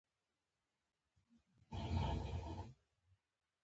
پزه یاد ساتي.